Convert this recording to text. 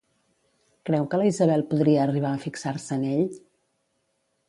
Creu que la Isabel podria arribar a fixar-se en ell?